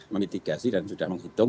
memitigasi dan sudah menghitung